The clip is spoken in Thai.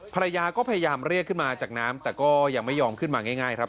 ภรรยาก็พยายามเรียกขึ้นมาจากน้ำแต่ก็ยังไม่ยอมขึ้นมาง่ายครับ